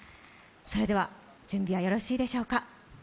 それでは準備はよろしいでしょうか。